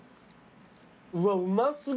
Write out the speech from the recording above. うわうま過ぎ！